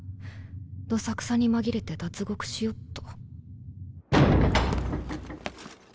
どさくさに紛れて脱獄しよっと。